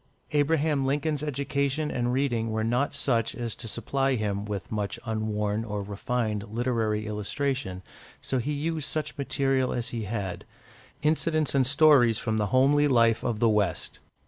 Abraham Lincoln's education and reading were not such as to supply him with much unworn or refined literary illustration, so he used such material as he had incidents and stories from the homely life of the West.